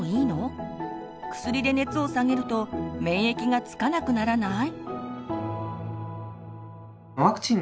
薬で熱を下げると免疫がつかなくならない？